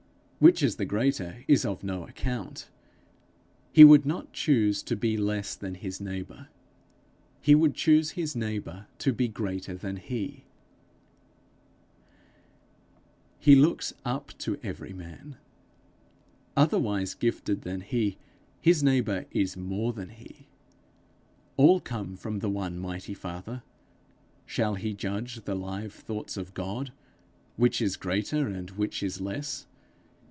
Which is the greater is of no account. He would not choose to be less than his neighbour; he would choose his neighbour to be greater than he. He looks up to every man. Otherwise gifted than he, his neighbour is more than he. All come from the one mighty father: shall he judge the live thoughts of God, which is greater and which is less?